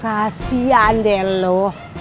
kasian deh lo